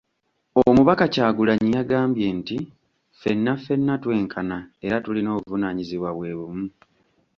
Omubaka Kyagulanyi yagambye nti, “Ffenna ffenna twenkana era tulina obuvunanyizibwa bwe bumu"